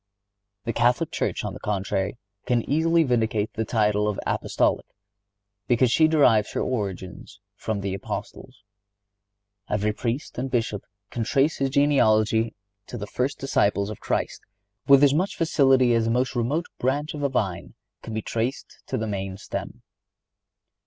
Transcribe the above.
The Catholic Church, on the contrary, can easily vindicate the title of Apostolic, because she derives her origin from the Apostles. Every Priest and Bishop can trace his genealogy to the first disciples of Christ with as much facility as the most remote branch of a vine can be traced to the main stem.